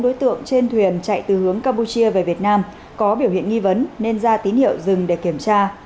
đối tượng trên thuyền chạy từ hướng campuchia về việt nam có biểu hiện nghi vấn nên ra tín hiệu dừng để kiểm tra